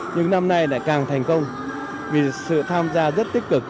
nhưng năm nay lại càng thành công vì sự tham gia rất tích cực